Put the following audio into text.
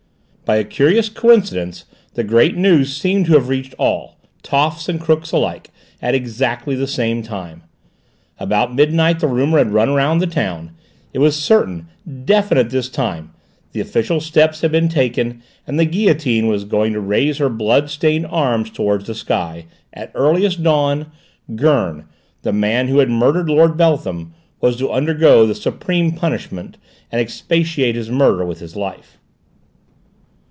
By a curious coincidence the great news seemed to have reached all, toffs and crooks alike, at exactly the same time. About midnight the rumour had run round the town; it was certain, definite this time; the official steps had been taken, and the guillotine was going to raise her blood stained arms towards the sky; at earliest dawn, Gurn, the man who had murdered Lord Beltham, was to undergo the supreme punishment, and expiate his murder with his life.